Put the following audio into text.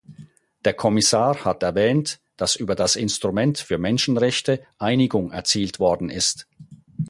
Der Kommissar hat erwähnt, dass über das Instrument für Menschenrechte Einigung erzielt worden ist.